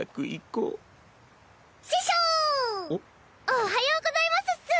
おはようございますっス。